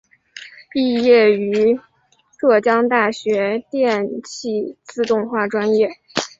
毕业于浙江大学电气自动化专业。